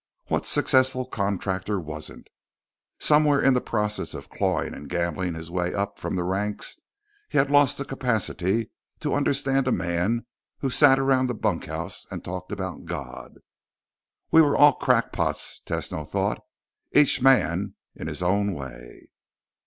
What successful contractor wasn't? Somewhere in the process of clawing and gambling his way up from the ranks, he had lost the capacity to understand a man who sat around the bunkhouse and talked about God. We were all crackpots, Tesno thought, each man in his own way.